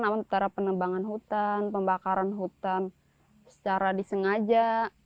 apalagi penembang hutan pembakaran hutan secara disengaja